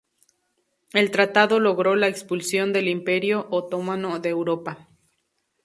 El Tratado logró la expulsión del Imperio otomano de Europa.